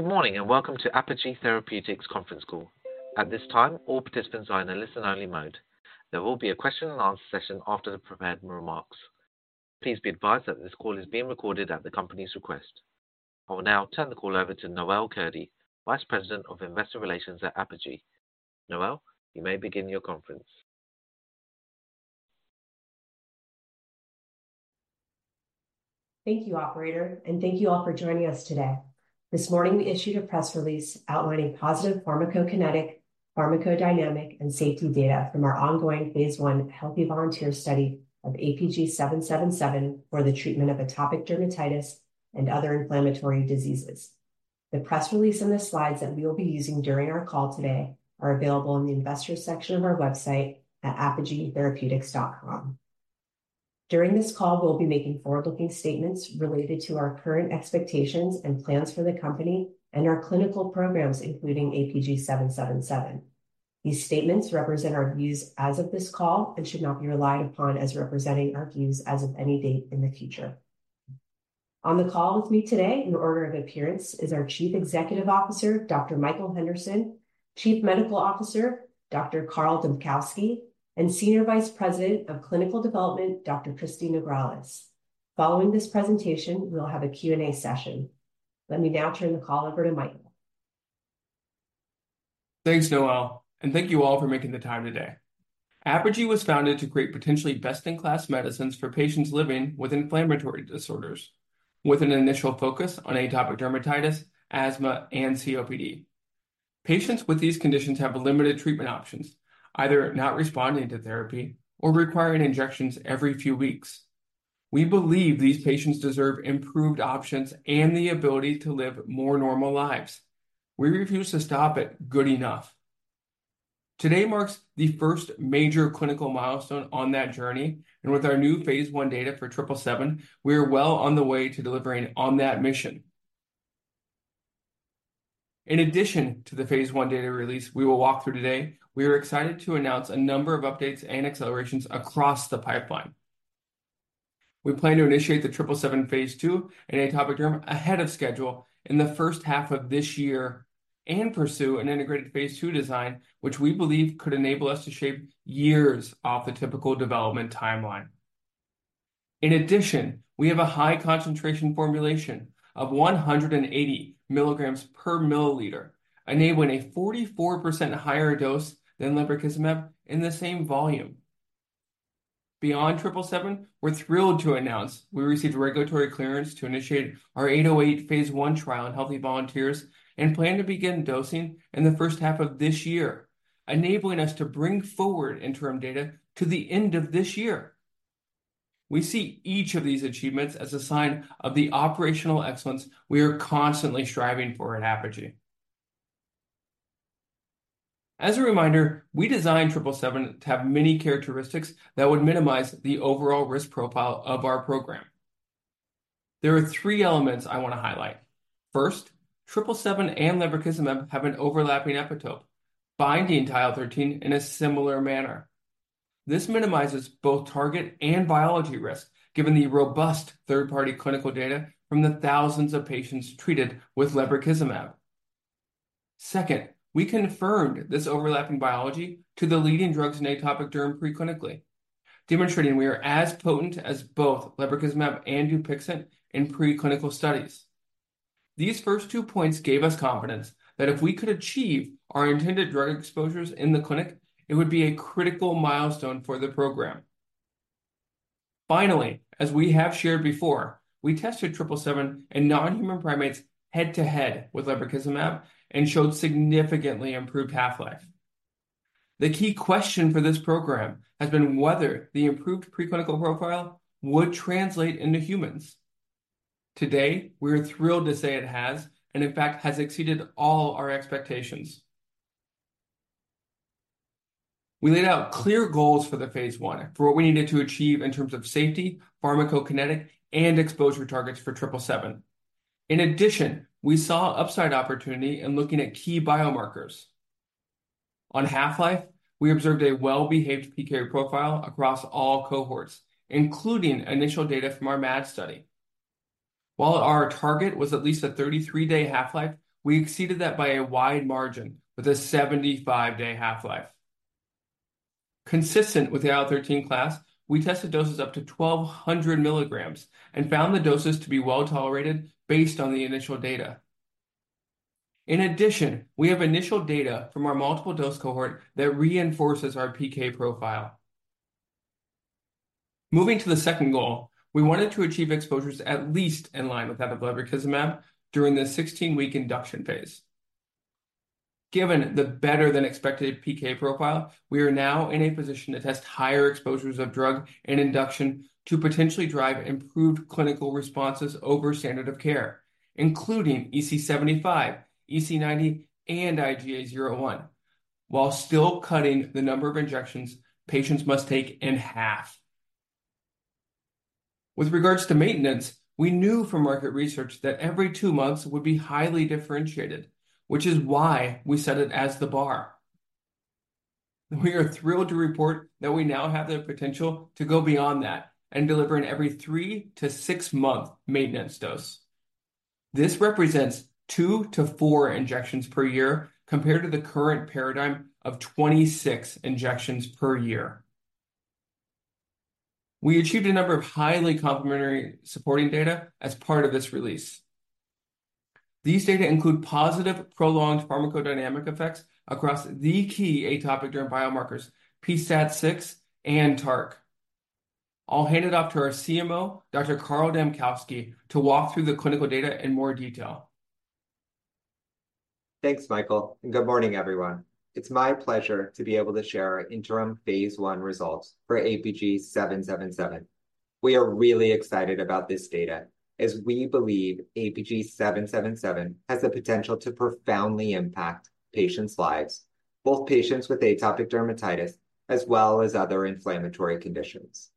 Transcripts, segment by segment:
Good morning, and welcome to Apogee Therapeutics' conference call. At this time, all participants are in a listen-only mode. There will be a question and answer session after the prepared remarks. Please be advised that this call is being recorded at the company's request. I will now turn the call over to Noel Kurdi, Vice President of Investor Relations at Apogee. Noelle, you may begin your conference. Thank you, operator, and thank you all for joining us today. This morning, we issued a press release outlining positive pharmacokinetic, pharmacodynamic, and safety data from our ongoing phase 1 healthy volunteer study of APG777 for the treatment of atopic dermatitis and other inflammatory diseases. The press release and the slides that we will be using during our call today are available in the investors section of our website at apogeetherapeutics.com. During this call, we'll be making forward-looking statements related to our current expectations and plans for the company and our clinical programs, including APG777. These statements represent our views as of this call and should not be relied upon as representing our views as of any date in the future. On the call with me today, in order of appearance, is our Chief Executive Officer, Dr. Michael Henderson, Chief Medical Officer, Dr. Carl Dambkowski, and Senior Vice President of Clinical Development, Dr. Kristine Nograles. Following this presentation, we'll have a Q&A session. Let me now turn the call over to Michael. Thanks, Noelle, and thank you all for making the time today. Apogee was founded to create potentially best-in-class medicines for patients living with inflammatory disorders, with an initial focus on atopic dermatitis, asthma, and COPD. Patients with these conditions have limited treatment options, either not responding to therapy or requiring injections every few weeks. We believe these patients deserve improved options and the ability to live more normal lives. We refuse to stop at good enough. Today marks the first major clinical milestone on that journey, and with our new phase 1 data for triple seven, we are well on the way to delivering on that mission. In addition to the phase 1 data release we will walk through today, we are excited to announce a number of updates and accelerations across the pipeline. We plan to initiate the triple seven phase 2 in atopic derm ahead of schedule in the first half of this year and pursue an integrated phase 2 design, which we believe could enable us to shave years off the typical development timeline. In addition, we have a high concentration formulation of 180 milligrams per milliliter, enabling a 44% higher dose than Lebrikizumab in the same volume. Beyond triple seven, we're thrilled to announce we received regulatory clearance to initiate our eight oh eight phase 1 trial in healthy volunteers and plan to begin dosing in the first half of this year, enabling us to bring forward interim data to the end of this year. We see each of these achievements as a sign of the operational excellence we are constantly striving for at Apogee. As a reminder, we designed triple seven to have many characteristics that would minimize the overall risk profile of our program. There are three elements I wanna highlight. First, triple seven and Lebrikizumab have an overlapping epitope, binding IL-13 in a similar manner. This minimizes both target and biology risk, given the robust third-party clinical data from the thousands of patients treated with Lebrikizumab. Second, we confirmed this overlapping biology to the leading drugs in atopic derm preclinically, demonstrating we are as potent as both Lebrikizumab and Dupixent in preclinical studies. These first two points gave us confidence that if we could achieve our intended drug exposures in the clinic, it would be a critical milestone for the program. Finally, as we have shared before, we tested triple seven in non-human primates head-to-head with Lebrikizumab and showed significantly improved half-life. The key question for this program has been whether the improved preclinical profile would translate into humans. Today, we're thrilled to say it has, and in fact, has exceeded all our expectations. We laid out clear goals for the phase 1 for what we needed to achieve in terms of safety, pharmacokinetic, and exposure targets for triple seven. In addition, we saw upside opportunity in looking at key biomarkers. On half-life, we observed a well-behaved PK profile across all cohorts, including initial data from our MAD study. While our target was at least a 33-day half-life, we exceeded that by a wide margin with a 75-day half-life. Consistent with the IL-13 class, we tested doses up to 1,200 milligrams and found the doses to be well-tolerated based on the initial data. In addition, we have initial data from our multiple dose cohort that reinforces our PK profile. Moving to the second goal, we wanted to achieve exposures at least in line with that of Lebrikizumab during the 16-week induction phase. Given the better-than-expected PK profile, we are now in a position to test higher exposures of drug and induction to potentially drive improved clinical responses over standard of care, including EASI-75, EASI-90, and IGA 0/1, while still cutting the number of injections patients must take in half. With regards to maintenance, we knew from market research that every two months would be highly differentiated, which is why we set it as the bar. We are thrilled to report that we now have the potential to go beyond that and deliver an every 3- to 6-month maintenance dose. This represents 2-4 injections per year, compared to the current paradigm of 26 injections per year. We achieved a number of highly complementary supporting data as part of this release. These data include positive, prolonged pharmacodynamic effects across the key atopic biomarkers, pSTAT6 and TARC. I'll hand it off to our CMO, Dr. Carl Dambkowski, to walk through the clinical data in more detail. Thanks, Michael, and good morning, everyone. It's my pleasure to be able to share our interim phase I results for APG777. We are really excited about this data, as we believe APG777 has the potential to profoundly impact patients' lives, both patients with atopic dermatitis, as well as other inflammatory conditions.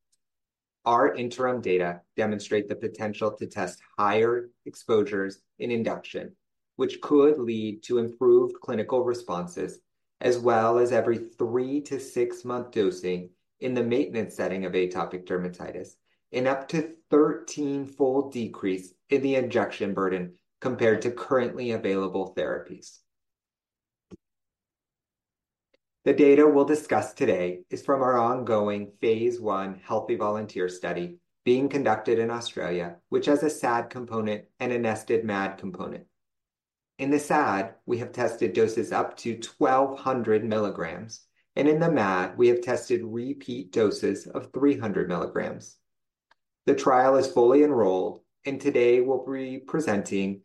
Our interim data demonstrate the potential to test higher exposures in induction, which could lead to improved clinical responses, as well as every 3- to 6-month dosing in the maintenance setting of atopic dermatitis, an up to 13-fold decrease in the injection burden compared to currently available therapies. The data we'll discuss today is from our ongoing phase I healthy volunteer study being conducted in Australia, which has a SAD component and a nested MAD component. In the SAD, we have tested doses up to 1200 milligrams, and in the MAD, we have tested repeat doses of 300 milligrams. The trial is fully enrolled, and today we'll be presenting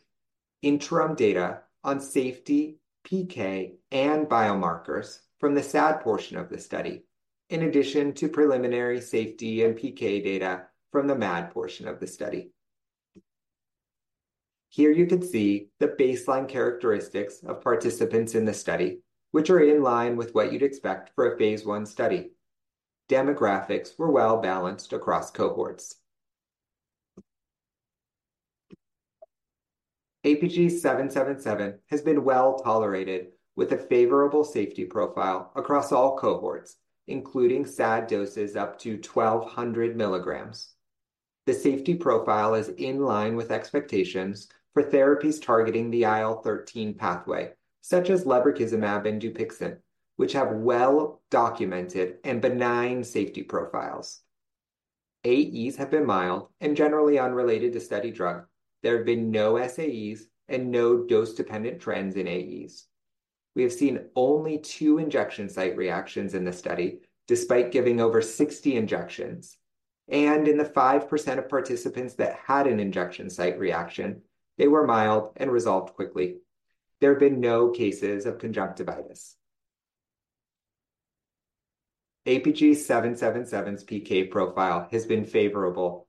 interim data on safety, PK, and biomarkers from the SAD portion of the study, in addition to preliminary safety and PK data from the MAD portion of the study. Here you can see the baseline characteristics of participants in the study, which are in line with what you'd expect for a phase 1 study. Demographics were well-balanced across cohorts. APG777 has been well-tolerated, with a favorable safety profile across all cohorts, including SAD doses up to 1200 milligrams. The safety profile is in line with expectations for therapies targeting the IL-13 pathway, such as Lebrikizumab and Dupixent, which have well-documented and benign safety profiles. AEs have been mild and generally unrelated to study drug. There have been no SAEs and no dose-dependent trends in AEs. We have seen only 2 injection site reactions in the study, despite giving over 60 injections, and in the 5% of participants that had an injection site reaction, they were mild and resolved quickly. There have been no cases of conjunctivitis. APG777's PK profile has been favorable.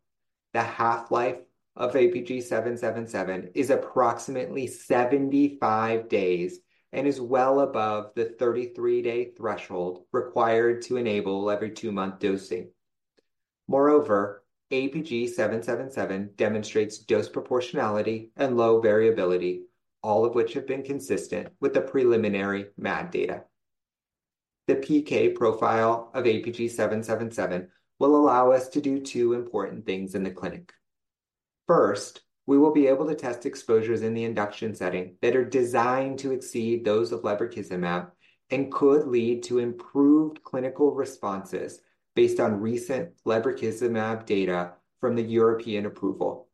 The half-life of APG777 is approximately 75 days and is well above the 33-day threshold required to enable every 2-month dosing. Moreover, APG777 demonstrates dose proportionality and low variability, all of which have been consistent with the preliminary MAD data. The PK profile of APG777 will allow us to do 2 important things in the clinic. First, we will be able to test exposures in the induction setting that are designed to exceed those of Lebrikizumab and could lead to improved clinical responses based on recent Lebrikizumab data from the European approval.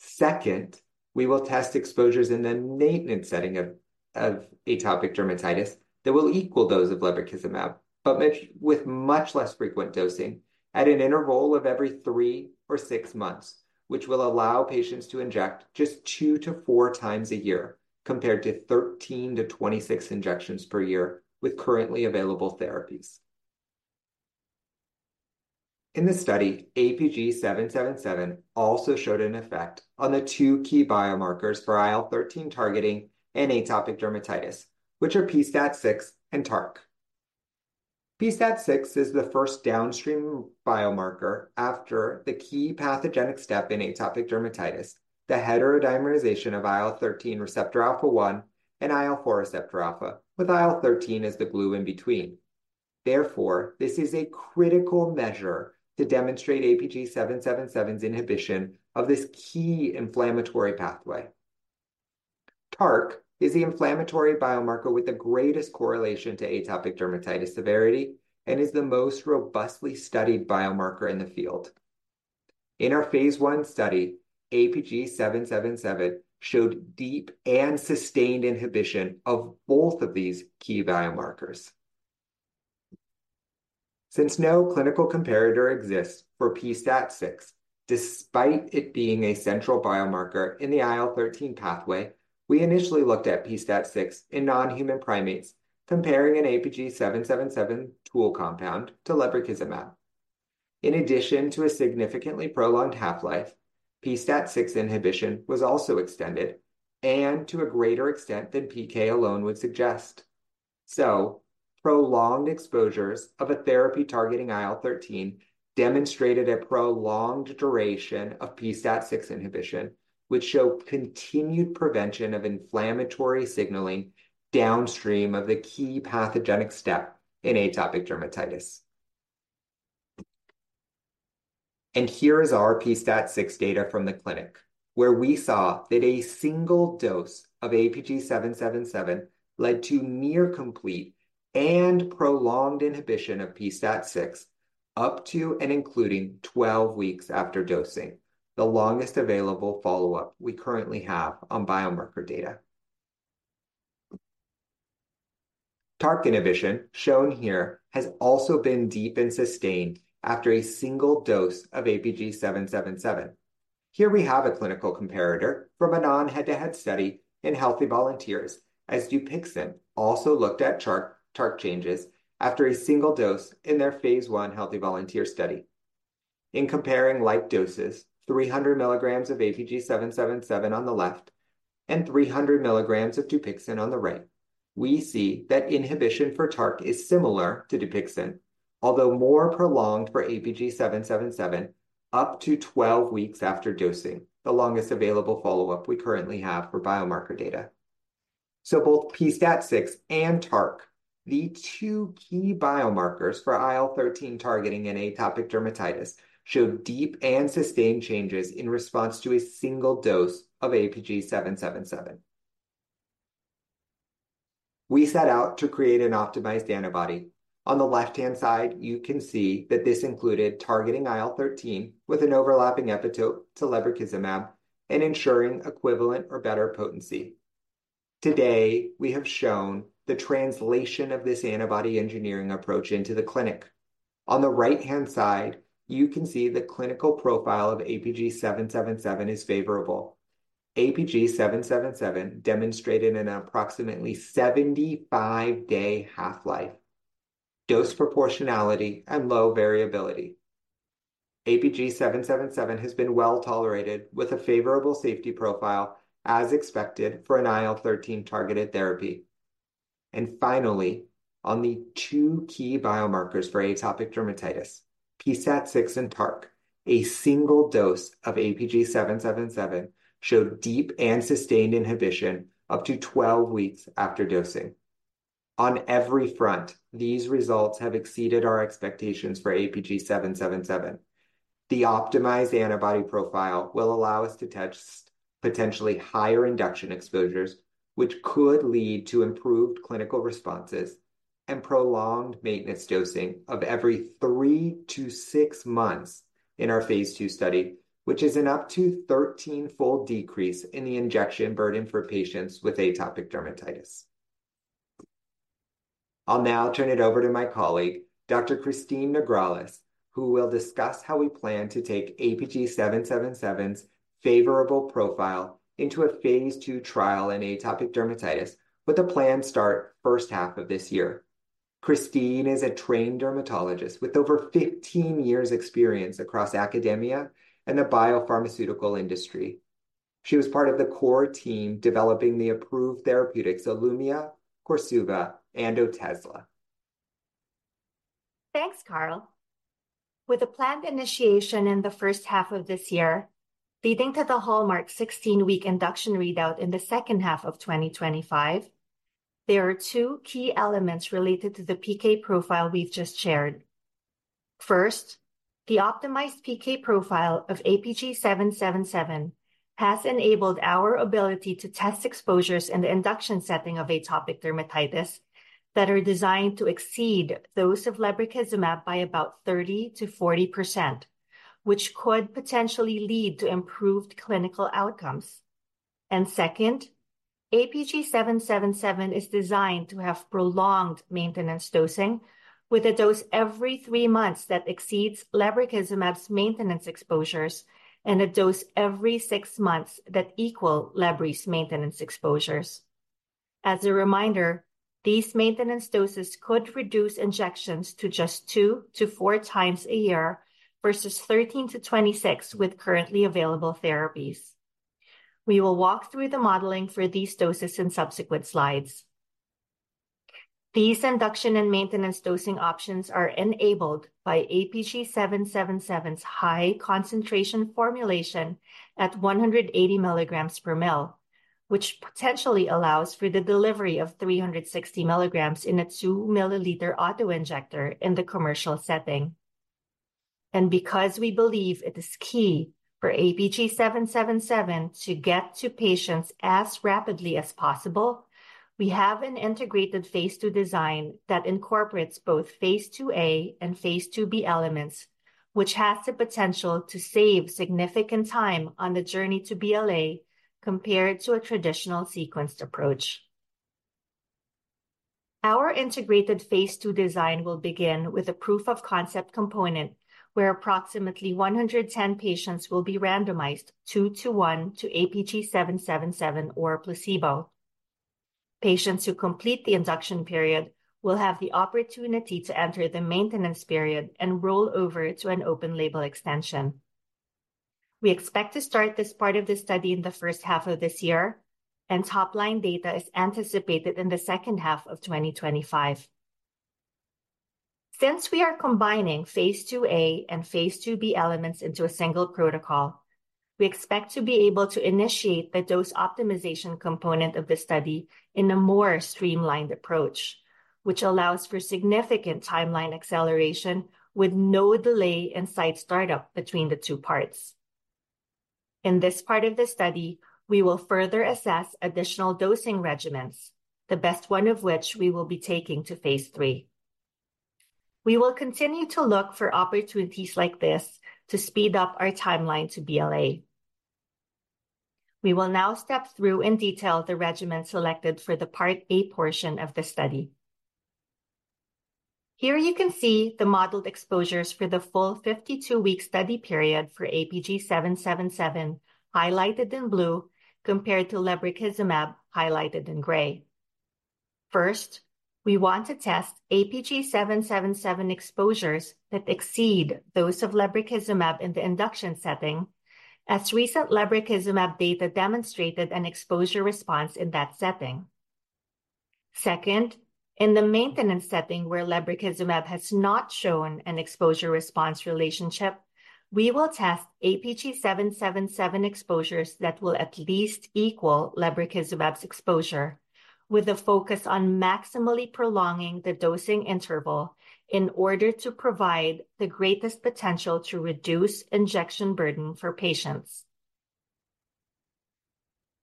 Second, we will test exposures in the maintenance setting of atopic dermatitis that will equal those of Lebrikizumab, but with much less frequent dosing at an interval of every 3 or 6 months, which will allow patients to inject just 2-4 times a year, compared to 13-26 injections per year with currently available therapies. In this study, APG777 also showed an effect on the two key biomarkers for IL-13 targeting and atopic dermatitis, which are pSTAT6 and TARC. pSTAT6 is the first downstream biomarker after the key pathogenic step in atopic dermatitis, the heterodimerization of IL-13 receptor alpha 1 and IL-4 receptor alpha, with IL-13 as the glue in between. Therefore, this is a critical measure to demonstrate APG777's inhibition of this key inflammatory pathway. TARC is the inflammatory biomarker with the greatest correlation to atopic dermatitis severity and is the most robustly studied biomarker in the field. In our phase I study, APG777 showed deep and sustained inhibition of both of these key biomarkers. Since no clinical comparator exists for p-STAT6, despite it being a central biomarker in the IL-13 pathway, we initially looked at pSTAT6 in non-human primates, comparing an APG777 tool compound to Lebrikizumab. In addition to a significantly prolonged half-life, pSTAT6 inhibition was also extended and to a greater extent than PK alone would suggest. So prolonged exposures of a therapy targeting IL-13 demonstrated a prolonged duration of pSTAT6 inhibition, which show continued prevention of inflammatory signaling downstream of the key pathogenic step in atopic dermatitis.... and here is our pSTAT6 data from the clinic, where we saw that a single dose of APG777 led to near complete and prolonged inhibition of pSTAT6, up to and including 12 weeks after dosing, the longest available follow-up we currently have on biomarker data. TARC inhibition, shown here, has also been deep and sustained after a single dose of APG777. Here we have a clinical comparator from a non-head-to-head study in healthy volunteers, as Dupixent also looked at TARC changes after a single dose in their phase 1 healthy volunteer study. In comparing light doses, 300 milligrams of APG777 on the left and 300 milligrams of Dupixent on the right, we see that inhibition for TARC is similar to Dupixent, although more prolonged for APG777, up to 12 weeks after dosing, the longest available follow-up we currently have for biomarker data. So both pSTAT6 and TARC, the two key biomarkers for IL-13 targeting in atopic dermatitis, show deep and sustained changes in response to a single dose of APG777. We set out to create an optimized antibody. On the left-hand side, you can see that this included targeting IL-13 with an overlapping epitope to Lebrikizumab and ensuring equivalent or better potency. Today, we have shown the translation of this antibody engineering approach into the clinic. On the right-hand side, you can see the clinical profile of APG777 is favorable. APG777 demonstrated an approximately 75-day half-life, dose proportionality, and low variability. APG777 has been well-tolerated, with a favorable safety profile, as expected for an IL-13 targeted therapy. And finally, on the two key biomarkers for atopic dermatitis, pSTAT6 and TARC, a single dose of APG777 showed deep and sustained inhibition up to 12 weeks after dosing. On every front, these results have exceeded our expectations for APG777. The optimized antibody profile will allow us to test potentially higher induction exposures, which could lead to improved clinical responses and prolonged maintenance dosing of every 3-6 months in our phase 2 study, which is an up to 13-fold decrease in the injection burden for patients with atopic dermatitis. I'll now turn it over to my colleague, Dr. Kristine Nograles. who will discuss how we plan to take APG777's favorable profile into a phase 2 trial in atopic dermatitis, with a planned start first half of this year. Christine is a trained dermatologist with over 15 years' experience across academia and the biopharmaceutical industry. She was part of the core team developing the approved therapeutics Olumiant, KORSUVA, and Otezla. Thanks, Carl. With a planned initiation in the first half of this year, leading to the hallmark 16-week induction readout in the second half of 2025, there are two key elements related to the PK profile we've just shared. First, the optimized PK profile of APG777 has enabled our ability to test exposures in the induction setting of atopic dermatitis that are designed to exceed those of Lebrikizumab by about 30%-40%, which could potentially lead to improved clinical outcomes. And second, APG777 is designed to have prolonged maintenance dosing, with a dose every 3 months that exceeds Lebrikizumab maintenance exposures and a dose every 6 months that equal lebri's maintenance exposures. As a reminder, these maintenance doses could reduce injections to just 2-4 times a year versus 13-26 with currently available therapies. We will walk through the modeling for these doses in subsequent slides. These induction and maintenance dosing options are enabled by APG777's high-concentration formulation at 180 milligrams per mL, which potentially allows for the delivery of 360 milligrams in a 2-mL auto-injector in the commercial setting. Because we believe it is key for APG777 to get to patients as rapidly as possible, we have an integrated phase 2 design that incorporates both phase 2-A and phase 2-B elements, which has the potential to save significant time on the journey to BLA compared to a traditional sequenced approach. Our integrated phase 2 design will begin with a proof-of-concept component, where approximately 110 patients will be randomized 2 to 1 to APG777 or placebo. Patients who complete the induction period will have the opportunity to enter the maintenance period and roll over to an open-label extension. We expect to start this part of the study in the first half of this year, and top-line data is anticipated in the second half of 2025. Since we are combining phase 2-A and phase 2-B elements into a single protocol, we expect to be able to initiate the dose optimization component of the study in a more streamlined approach, which allows for significant timeline acceleration with no delay in site startup between the two parts. In this part of the study, we will further assess additional dosing regimens, the best one of which we will be taking to phase 3. We will continue to look for opportunities like this to speed up our timeline to BLA. We will now step through in detail the regimen selected for the part A portion of the study. Here you can see the modeled exposures for the full 52-week study period for APG777, highlighted in blue, compared to Lebrikizumab, highlighted in gray. First, we want to test APG777 exposures that exceed those of Lebrikizumab in the induction setting, as recent Lebrikizumab data demonstrated an exposure response in that setting. Second, in the maintenance setting where Lebrikizumab has not shown an exposure-response relationship, we will test APG777 exposures that will at least equal Lebrikizumab's exposure, with a focus on maximally prolonging the dosing interval in order to provide the greatest potential to reduce injection burden for patients.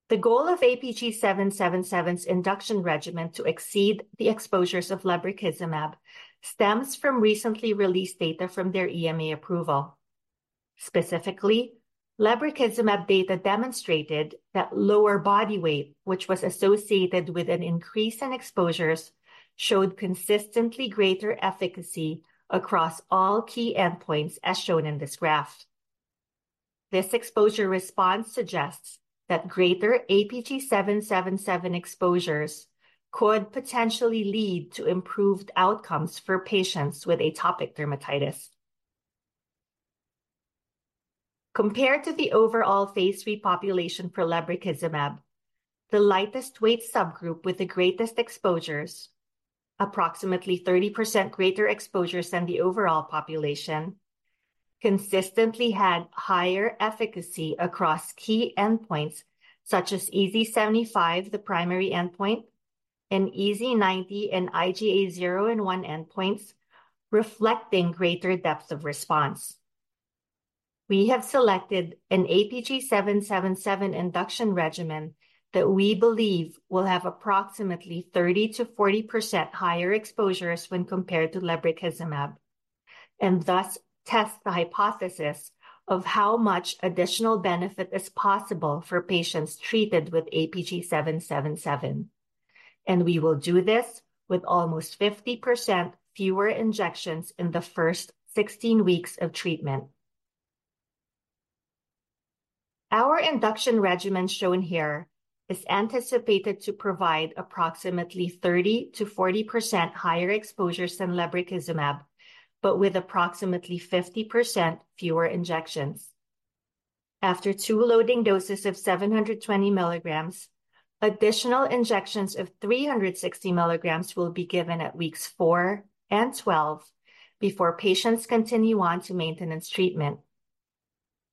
The goal of APG777's induction regimen to exceed the exposures of Lebrikizumab stems from recently released data from their EMA approval. Specifically, Lebrikizumab data demonstrated that lower body weight, which was associated with an increase in exposures, showed consistently greater efficacy across all key endpoints, as shown in this graph. This exposure response suggests that greater APG777 exposures could potentially lead to improved outcomes for patients with atopic dermatitis. Compared to the overall phase 3 population for Lebrikizumab, the lightest weight subgroup with the greatest exposures, approximately 30% greater exposures than the overall population, consistently had higher efficacy across key endpoints, such as EASI-75, the primary endpoint, and EASI-90 and IGA 0 and 1 endpoints, reflecting greater depth of response. We have selected an APG777 induction regimen that we believe will have approximately 30%-40% higher exposures when compared to Lebrikizumab, and thus test the hypothesis of how much additional benefit is possible for patients treated with APG777. We will do this with almost 50% fewer injections in the first 16 weeks of treatment. Our induction regimen shown here is anticipated to provide approximately 30%-40% higher exposures than Lebrikizumab, but with approximately 50% fewer injections. After 2 loading doses of 720 milligrams, additional injections of 360 milligrams will be given at weeks 4 and 12, before patients continue on to maintenance treatment.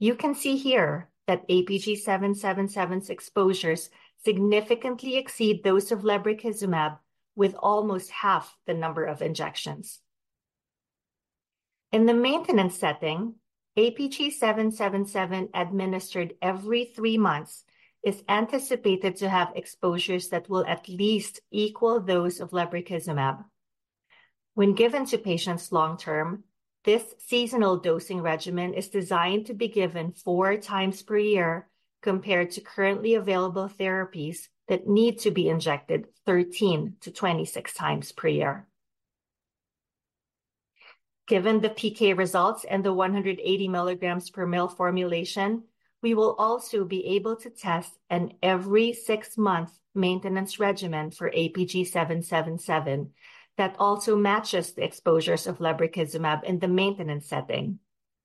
You can see here that APG777's exposures significantly exceed those of Lebrikizumab, with almost half the number of injections. In the maintenance setting, APG777, administered every 3 months, is anticipated to have exposures that will at least equal those of Lebrikizumab. When given to patients long-term, this seasonal dosing regimen is designed to be given 4 times per year, compared to currently available therapies that need to be injected 13-26 times per year. Given the PK results and the 180 mg/mL formulation, we will also be able to test an every 6-month maintenance regimen for APG777 that also matches the exposures of Lebrikizumab in the maintenance setting.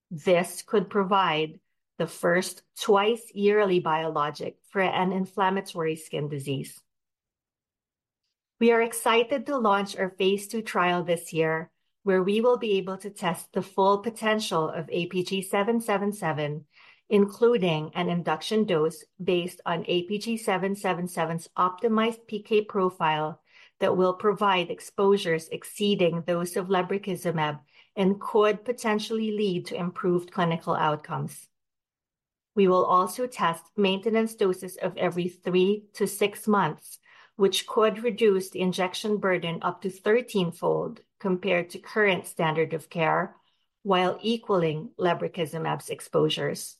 This could provide the first twice-yearly biologic for an inflammatory skin disease. We are excited to launch our phase 2 trial this year, where we will be able to test the full potential of APG777, including an induction dose based on APG777's optimized PK profile that will provide exposures exceeding those of Lebrikizumab and could potentially lead to improved clinical outcomes. We will also test maintenance doses of every 3-6 months, which could reduce the injection burden up to 13-fold compared to current standard of care, while equaling Lebrikizumab's exposures.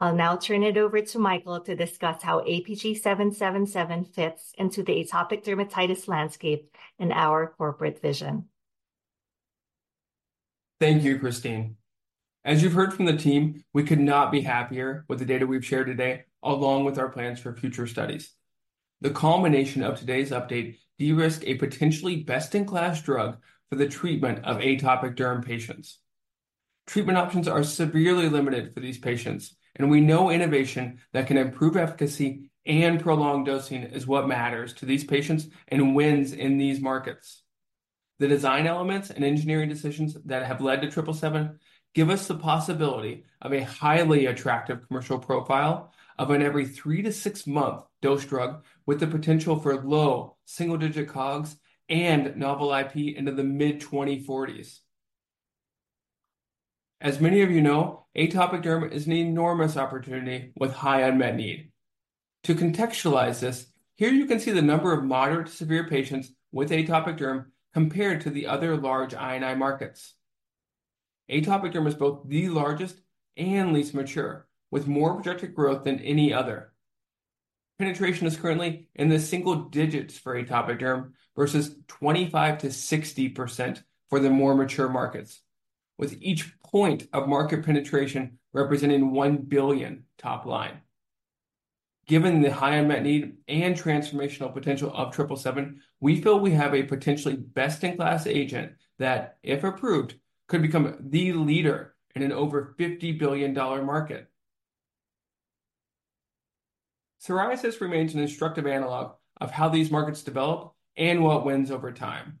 I'll now turn it over to Michael to discuss how APG777 fits into the atopic dermatitis landscape and our corporate vision. Thank you, Christine. As you've heard from the team, we could not be happier with the data we've shared today, along with our plans for future studies. The culmination of today's update de-risk a potentially best-in-class drug for the treatment of atopic derm patients. Treatment options are severely limited for these patients, and we know innovation that can improve efficacy and prolong dosing is what matters to these patients and wins in these markets. The design elements and engineering decisions that have led to triple seven give us the possibility of a highly attractive commercial profile of an every 3- to 6-month dose drug, with the potential for low single-digit COGS and novel IP into the mid-2040s. As many of you know, atopic derm is an enormous opportunity with high unmet need. To contextualize this, here you can see the number of moderate to severe patients with atopic derm compared to the other large I and I markets. Atopic derm is both the largest and least mature, with more projected growth than any other. Penetration is currently in the single digits for atopic derm, versus 25%-60% for the more mature markets, with each point of market penetration representing $1 billion top line. Given the high unmet need and transformational potential of triple seven, we feel we have a potentially best-in-class agent that, if approved, could become the leader in an over $50 billion market. Psoriasis remains an instructive analog of how these markets develop and what wins over time.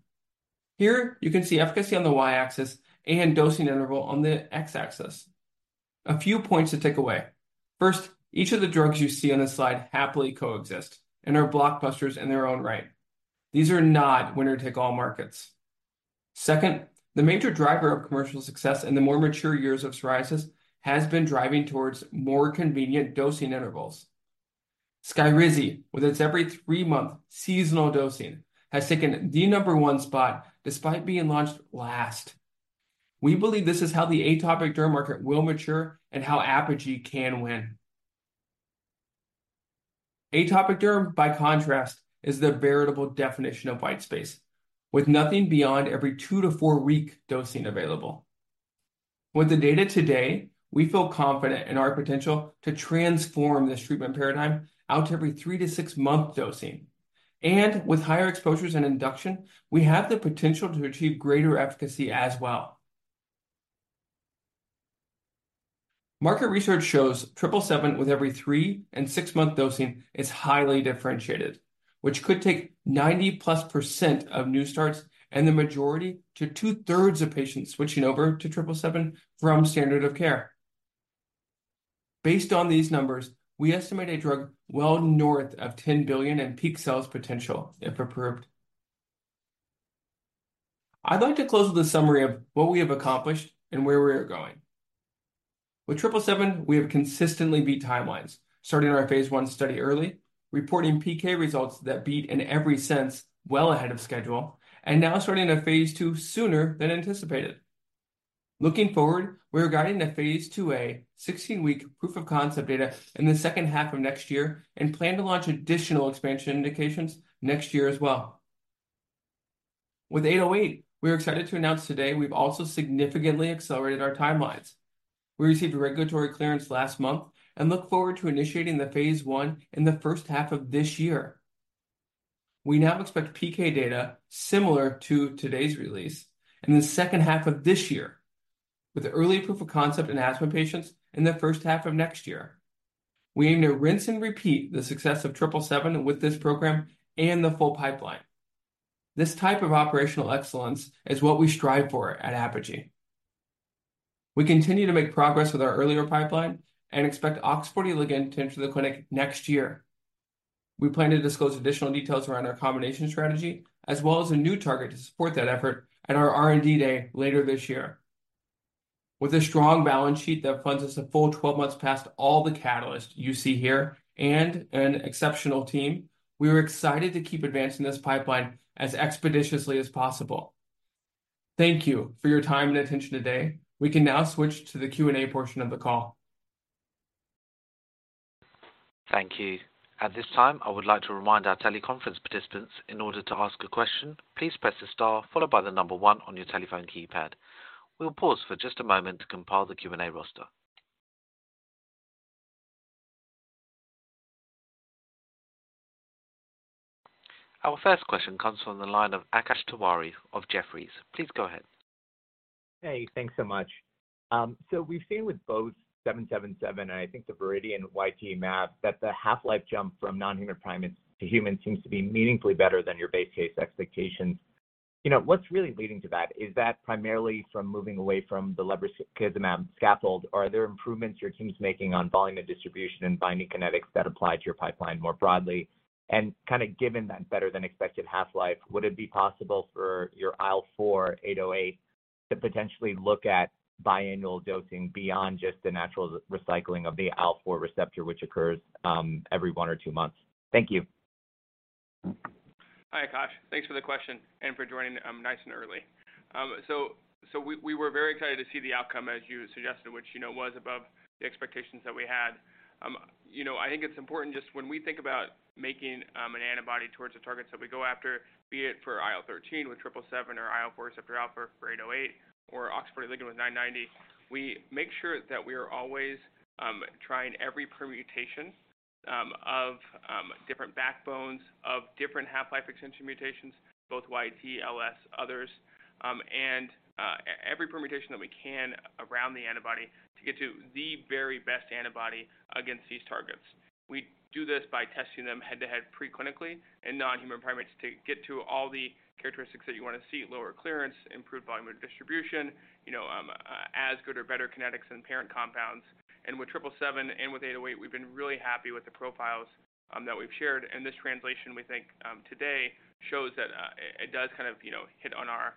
Here, you can see efficacy on the Y-axis and dosing interval on the X-axis. A few points to take away. First, each of the drugs you see on this slide happily coexist and are blockbusters in their own right. These are not winner-take-all markets. Second, the major driver of commercial success in the more mature years of psoriasis has been driving towards more convenient dosing intervals. Skyrizi, with its every 3-month seasonal dosing, has taken the number one spot despite being launched last. We believe this is how the atopic derm market will mature and how Apogee can win. Atopic derm, by contrast, is the veritable definition of white space, with nothing beyond every 2- to 4-week dosing available. With the data today, we feel confident in our potential to transform this treatment paradigm out to every 3- to 6-month dosing, and with higher exposures and induction, we have the potential to achieve greater efficacy as well. Market research shows triple seven with every 3- and 6-month dosing is highly differentiated, which could take 90+% of new starts and the majority to two-thirds of patients switching over to triple seven from standard of care. Based on these numbers, we estimate a drug well north of $10 billion in peak sales potential if approved. I'd like to close with a summary of what we have accomplished and where we are going. With triple seven, we have consistently beat timelines, starting our phase one study early, reporting PK results that beat in every sense well ahead of schedule, and now starting a phase two sooner than anticipated. Looking forward, we're guiding the phase two A 16-week proof of concept data in the second half of next year and plan to launch additional expansion indications next year as well. With APG808, we are excited to announce today we've also significantly accelerated our timelines. We received a regulatory clearance last month and look forward to initiating the phase 1 in the first half of this year. We now expect PK data similar to today's release in the second half of this year, with early proof of concept in asthma patients in the first half of next year. We aim to rinse and repeat the success of APG777 with this program and the full pipeline. This type of operational excellence is what we strive for at Apogee. We continue to make progress with our earlier pipeline and expect OX40L to enter the clinic next year. We plan to disclose additional details around our combination strategy, as well as a new target to support that effort at our R&D day later this year. With a strong balance sheet that funds us a full 12 months past all the catalysts you see here and an exceptional team, we are excited to keep advancing this pipeline as expeditiously as possible. Thank you for your time and attention today. We can now switch to the Q&A portion of the call. Thank you. At this time, I would like to remind our teleconference participants, in order to ask a question, please press the star followed by the number 1 on your telephone keypad. We'll pause for just a moment to compile the Q&A roster. Our first question comes from the line of Akash Tewari of Jefferies. Please go ahead. Hey, thanks so much. So we've seen with both APG777, and I think the Viridian YTE mutation, that the half-life jump from non-human primate to human seems to be meaningfully better than your base case expectations. You know, what's really leading to that? Is that primarily from moving away from the Lebrikizumab scaffold, or are there improvements your team's making on volume of distribution and binding kinetics that apply to your pipeline more broadly? And kinda given that better-than-expected half-life, would it be possible for your APG808 to potentially look at biannual dosing beyond just the natural recycling of the IL-4 receptor, which occurs, every 1 or 2 months? Thank you. Hi, Akash. Thanks for the question and for joining, nice and early. So we were very excited to see the outcome, as you suggested, which, you know, was above the expectations that we had. You know, I think it's important just when we think about making an antibody towards the targets that we go after, be it for IL-13 with 777, or IL-4 receptor alpha for 808, or OX40 ligand with 990, we make sure that we are always trying every permutation of different backbones, of different half-life extension mutations, both YTE, LS, others. and every permutation that we can around the antibody to get to the very best antibody against these targets. We do this by testing them head-to-head pre-clinically in non-human primates, to get to all the characteristics that you want to see: lower clearance, improved volume of distribution, as good or better kinetics than parent compounds. And with triple seven and with eight oh eight, we've been really happy with the profiles that we've shared. And this translation, we think, today, shows that it does kind of hit on our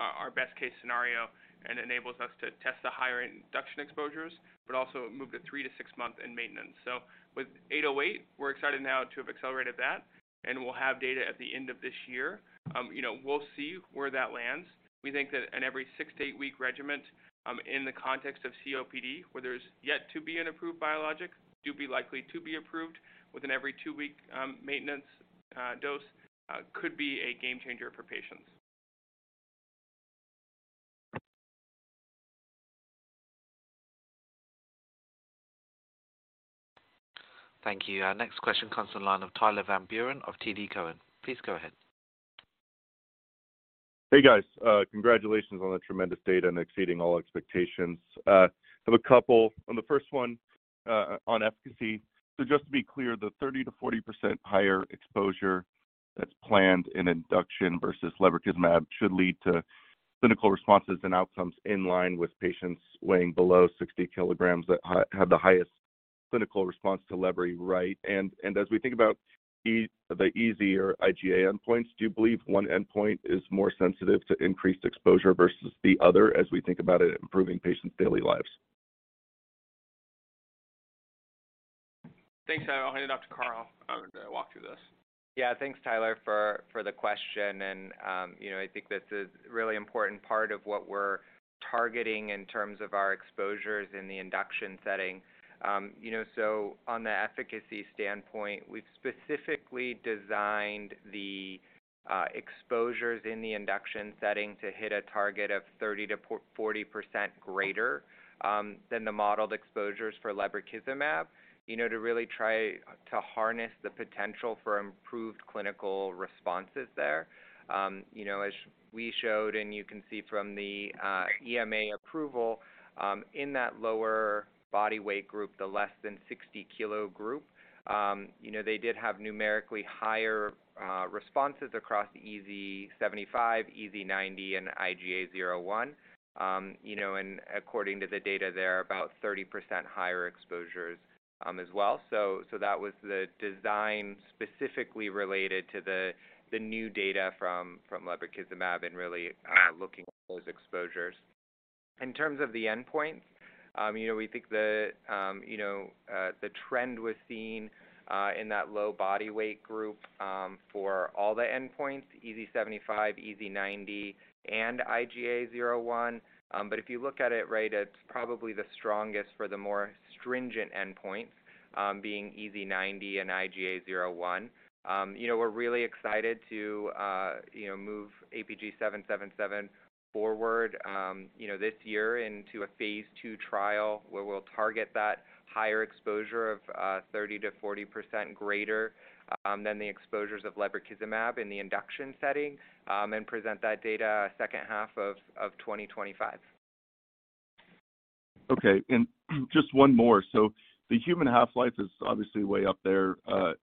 our best-case scenario and enables us to test the higher induction exposures, but also move to 3-6-month in maintenance. So with eight oh eight, we're excited now to have accelerated that, and we'll have data at the end of this year. We'll see where that lands. We think that an every 6-to-8-week regimen, in the context of COPD, where there's yet to be an approved biologic, do be likely to be approved within every 2-week maintenance dose could be a game changer for patients. Thank you. Our next question comes on the line of Tyler Van Buren of TD Cowen. Please go ahead. Hey, guys. Congratulations on the tremendous data and exceeding all expectations. Have a couple. On the first one, on efficacy, so just to be clear, the 30%-40% higher exposure that's planned in induction versus Lebrikizumab should lead to clinical responses and outcomes in line with patients weighing below 60 kilograms that have the highest clinical response to lebri, right? And as we think about the EASI IGA endpoints, do you believe one endpoint is more sensitive to increased exposure versus the other, as we think about it improving patients' daily lives? Thanks, Tyler. I'll hand it off to Carl to walk through this. Yeah, thanks, Tyler, for the question. You know, I think this is a really important part of what we're targeting in terms of our exposures in the induction setting. You know, so on the efficacy standpoint, we've specifically designed the exposures in the induction setting to hit a target of 30%-40% greater than the modeled exposures for Lebrikizumab, to really try to harness the potential for improved clinical responses there. You know, as we showed, and you can see from the EMA approval, in that lower body weight group, the less than 60-kg group, you know, they did have numerically higher responses across the EASI-75, EASI-90, and IGA 0/1. You know, and according to the data, they're about 30% higher exposures as well. So that was the design specifically related to the new data from Lebrikizumab and really looking at those exposures. In terms of the endpoints, we think the trend was seen in that low body weight group for all the endpoints, EASI-75, EASI-90, and IGA 0/1. But if you look at it, right, it's probably the strongest for the more stringent endpoints, being EASI-90 and IGA 0/1. We're really excited to move APG777 forward this year into a phase 2 trial, where we'll target that higher exposure of 30%-40% greater than the exposures of Lebrikizumab in the induction setting, and present that data second half of 2025. Okay, and just one more. So the human half-life is obviously way up there,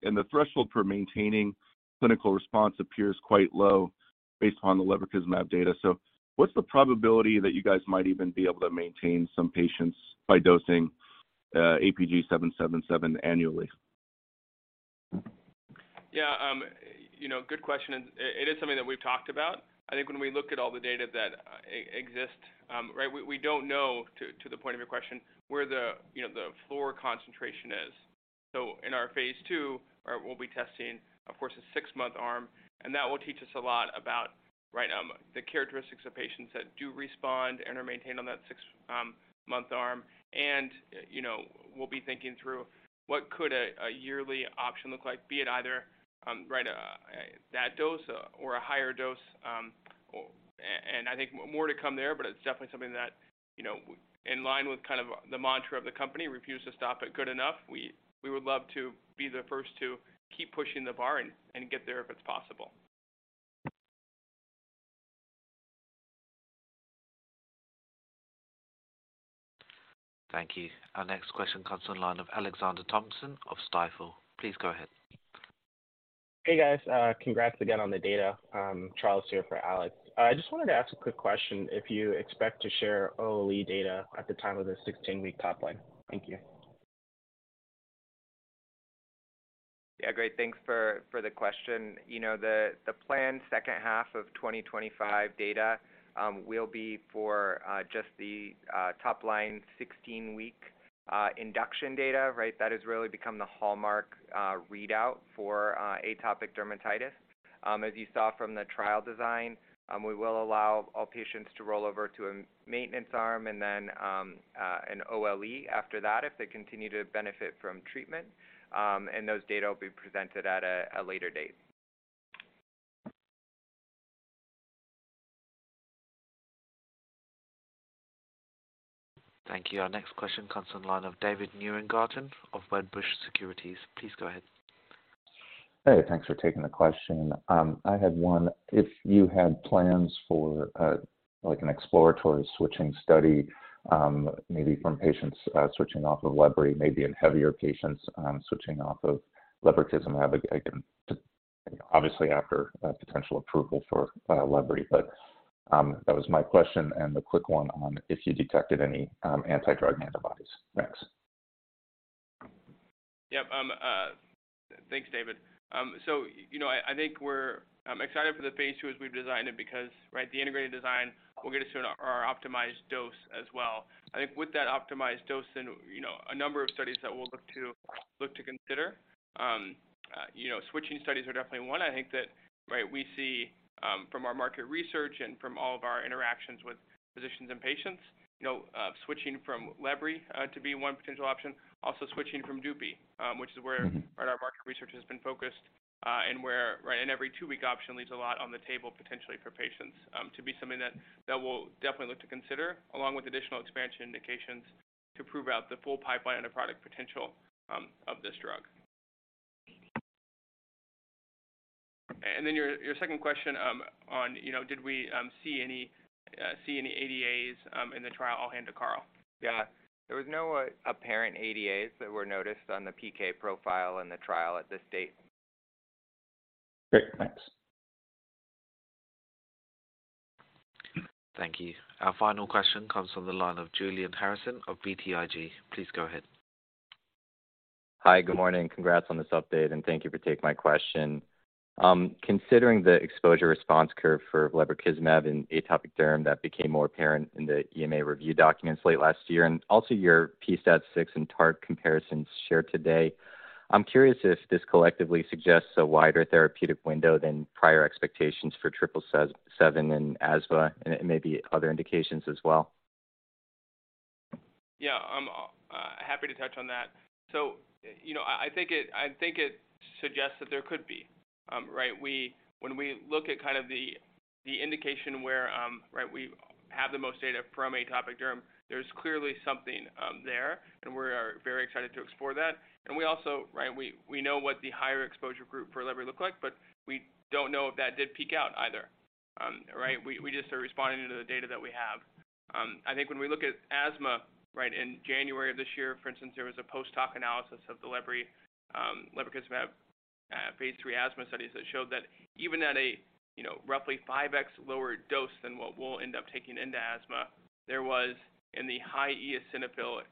and the threshold for maintaining clinical response appears quite low based on the Lebrikizumab data. So what's the probability that you guys might even be able to maintain some patients by dosing APG777 annually? Yeah, good question, and it is something that we've talked about. I think when we look at all the data that exists, right, we don't know, to the point of your question, where the floor concentration is. So in our phase two, we'll be testing, of course, a 6-month arm, and that will teach us a lot about, right, the characteristics of patients that do respond and are maintained on that 6-month arm. And, you know, we'll be thinking through what could a yearly option look like, be it either, right, that dose or a higher dose, and I think more to come there, but it's definitely something that, in line with kind of the mantra of the company, refuse to stop at good enough. We would love to be the first to keep pushing the bar and get there if it's possible. Thank you. Our next question comes on the line of Alexander Thompson of Stifel. Please go ahead. Hey, guys, congrats again on the data. Charles here for Alex. I just wanted to ask a quick question, if you expect to share OLE data at the time of the 16-week top line. Thank you. Yeah, great. Thanks for the question. The planned second half of 2025 data will be for just the top-line 16-week induction data, right? That has really become the hallmark readout for atopic dermatitis. As you saw from the trial design, we will allow all patients to roll over to a maintenance arm and then an OLE after that, if they continue to benefit from treatment, and those data will be presented at a later date. Thank you. Our next question comes on the line of David Nierengarten of Wedbush Securities. Please go ahead. Hey, thanks for taking the question. I had one. If you had plans for, like an exploratory switching study, maybe from patients, switching off of Lebri, maybe in heavier patients, switching off of Lebrikizumab, obviously after a potential approval for, Lebri. That was my question, and the quick one on if you detected any, anti-drug antibodies. Thanks. Yep, thanks, David. So, I think we're excited for the phase 2 as we've designed it, because, right, the integrated design will get us to our optimized dose as well. I think with that optimized dose in, you know, a number of studies that we'll look to, look to consider. Switching studies are definitely 1. I think that, right, we see from our market research and from all of our interactions with physicians and patients, you know, switching from Lebrikizumab to be one potential option, also switching from Dupixent, which is where our market research has been focused, and where, right, and every two-week option leaves a lot on the table, potentially for patients, to be something that we'll definitely look to consider, along with additional expansion indications to prove out the full pipeline and the product potential of this drug. And then your second question, on, you know, did we see any ADAs in the trial? I'll hand to Carl. Yeah. There was no apparent ADAs that were noticed on the PK profile in the trial at this date. Great, thanks. Thank you. Our final question comes from the line of Julian Harrison of BTIG. Please go ahead. Hi, good morning. Congrats on this update, and thank you for taking my question. Considering the exposure response curve for Lebrikizumab in atopic derm that became more apparent in the EMA review documents late last year, and also your pSTAT6 and TARC comparisons shared today, I'm curious if this collectively suggests a wider therapeutic window than prior expectations for APG777 in asthma and maybe other indications as well? Yeah, I'm happy to touch on that. So I think it, I think it suggests that there could be. Right, we When we look at kind of the, the indication where, right, we have the most data from atopic derm, there's clearly something there, and we are very excited to explore that. And we also, right, we, we know what the higher exposure group for Lebri look like, but we don't know if that did peak out either. Right? We, we just are responding to the data that we have. I think when we look at asthma, right, in January of this year, for instance, there was a post hoc analysis of the Lebrikizumab phase 3 asthma studies that showed that even at a, you know, roughly 5x lower dose than what we'll end up taking into asthma, there was in the high eosinophil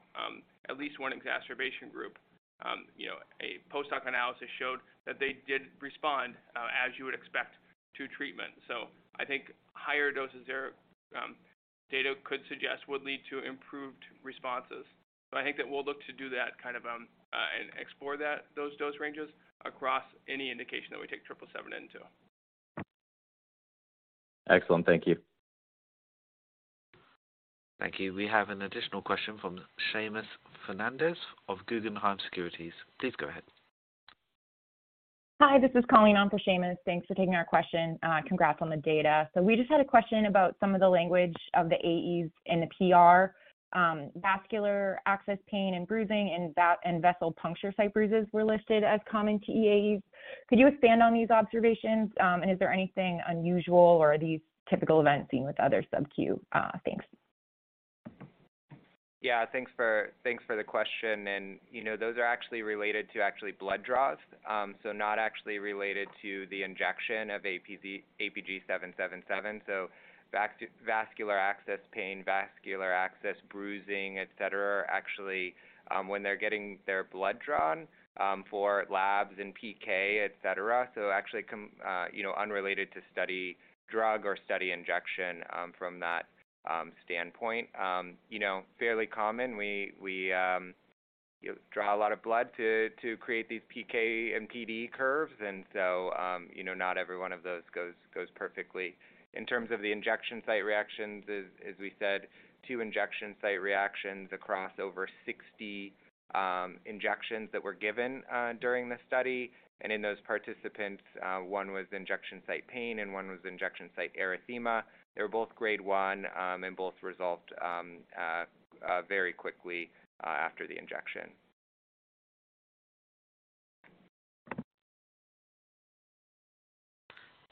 at least one exacerbation group. A post hoc analysis showed that they did respond as you would expect to treatment. So I think higher doses there, data could suggest would lead to improved responses. So I think that we'll look to do that kind of and explore those dose ranges across any indication that we take triple 7 into. Excellent. Thank you. Thank you. We have an additional question from Seamus Fernandez of Guggenheim Securities. Please go ahead. Hi, this is Colleen on for Seamus. Thanks for taking our question. Congrats on the data. So we just had a question about some of the language of the AEs in the PR, vascular access, pain and bruising and vessel puncture site bruises were listed as common to AEs. Could you expand on these observations? Is there anything unusual, or are these typical events seen with other subQ? Thanks. Yeah, thanks for the question. And, you know, those are actually related to actually blood draws. So not actually related to the injection of APG777. So vascular access, pain, vascular access, bruising, et cetera, are actually when they're getting their blood drawn for labs and PK, et cetera. So actually, you know, unrelated to study drug or study injection from that standpoint. You know, fairly common. We draw a lot of blood to create these PK and PD curves, and so, you know, not every one of those goes perfectly. In terms of the injection site reactions, as we said, 2 injection site reactions across over 60 injections that were given during the study. And in those participants, 1 was injection site pain and 1 was injection site erythema. They were both grade 1, and both resolved very quickly after the injection.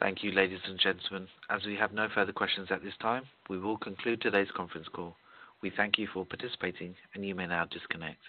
Thank you, ladies and gentlemen. As we have no further questions at this time, we will conclude today's conference call. We thank you for participating, and you may now disconnect.